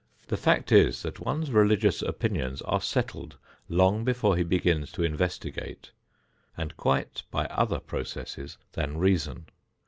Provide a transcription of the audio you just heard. The fact is, that one's religious opinions are settled long before he begins to investigate and quite by other processes than reason.